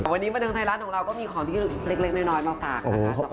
วันนี้มานึงในร้านของเราก็มีของที่เล็กน้อยมาฝาก